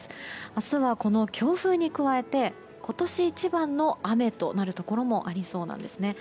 明日は、この強風に加えて今年一番の雨となるところもありそうなんですね。